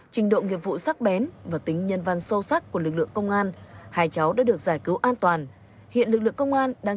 trình độ nghiệp vụ sắc bén và tính nhân văn sâu sắc của lực lượng công an hai cháu đã được giải cứu an toàn